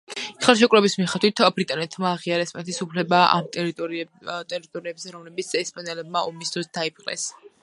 ხელშეკრულების მიხედვით ბრიტანეთმა აღიარა ესპანეთის უფლება იმ ტერიტორიებზე რომელიც ესპანელებმა ომის დროს დაიპყრეს.